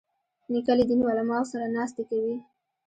نیکه له دیني علماوو سره ناستې کوي.